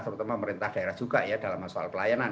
terutama pemerintah daerah juga ya dalam soal pelayanan